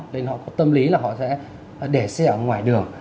nên họ có tâm lý là họ sẽ để xe ở ngoài đường